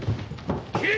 斬れ！